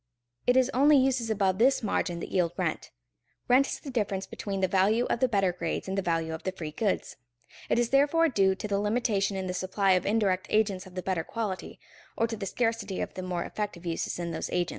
It is only uses above this margin that yield rent. Rent is the difference between the value of the better grades and the value of the free goods. It is therefore due to the limitation in the supply of indirect agents of the better quality, or to the scarcity of the more effective uses in those agents.